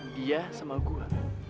dia sama gua